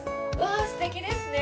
素敵ですね。